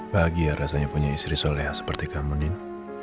bahagia rasanya punya istri soleh seperti kamu nin